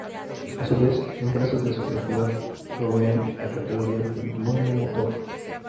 A su vez, empresas de su propiedad proveen a categorías del mundo motor.